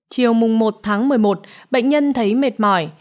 chiều mùng một tháng một mươi một bệnh nhân thấy mệt mỏi